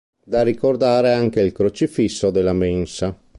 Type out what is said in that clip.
Da ricordare anche il crocifisso della mensa.